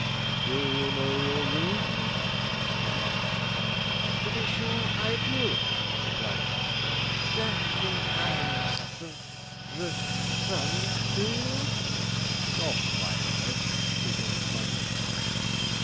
'Do you know your room?' asked Sponge. 'To be sure I do,' replied Jack; 'don't think I'm d d dr drunk, do you?' 'Not likely,' rejoined Sponge.